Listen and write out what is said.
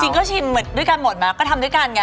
จริงก็ชิมเหมือนด้วยกันหมดแม้ว้าวก็ทำด้วยกันค่ะ